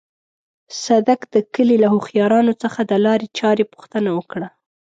صدک د کلي له هوښيارانو څخه د لارې چارې پوښتنه وکړه.